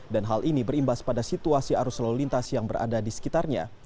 dan hal ini berimbas pada situasi arus lalu lintas yang berada di sekitarnya